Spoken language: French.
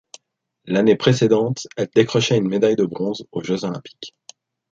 L'année précédente, elle décrochait une médaille de bronze aux Jeux olympiques.